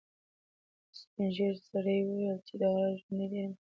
سپین سرې وویل چې د غره ژوند ډېر مېړانې ته اړتیا لري.